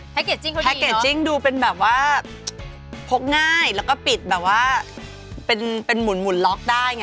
แพ็กเกจจิ้งเขาดีเนอะแพ็กเกจจิ้งดูเป็นแบบว่าพกง่ายแล้วก็ปิดแบบว่าเป็นหมุนล็อคได้ไง